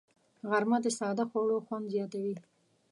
غرمه د ساده خوړو خوند زیاتوي